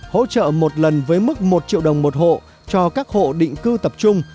hỗ trợ một lần với mức một triệu đồng một hộ cho các hộ định cư tập trung